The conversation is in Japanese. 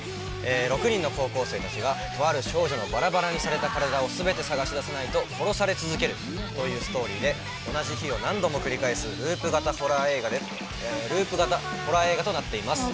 ６人の高校生たちがとある少女のばらばらにされた体を全て探し出さないと殺され続けるというストーリーで、同じ日を何度も繰り返すループ型ホラー映画となっています。